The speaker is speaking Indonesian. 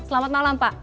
selamat malam pak